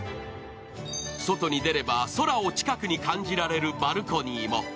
外に出れば空を近くに感じられるバルコニーも。